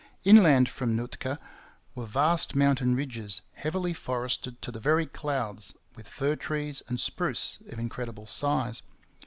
Inland from Nootka were vast mountain ridges heavily forested to the very clouds with fir trees and spruce of incredible size.